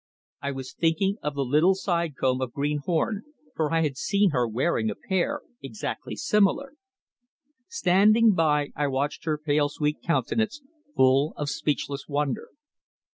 I was thinking of the little side comb of green horn, for I had seen her wearing a pair exactly similar! Standing by I watched her pale sweet countenance, full of speechless wonder.